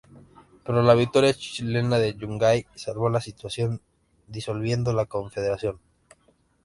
Pero la victoria chilena de Yungay salvó la situación, disolviendo la Confederación.